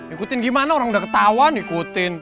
ikutin gimana orang udah ketawa nih ikutin